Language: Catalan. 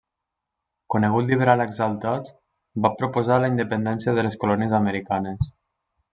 Conegut liberal exaltat, va proposar la independència de les colònies americanes.